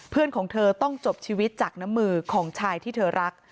เพื่อนของเธอต้องจบชีวิตจากน้ำมือของชายที่เธอรัก